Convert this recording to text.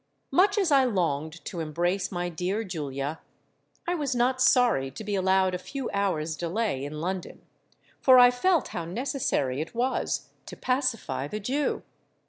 "Much as I longed to embrace my dear Julia, I was not sorry to be allowed a few hours' delay in London; for I felt how necessary it was to pacify the Jew.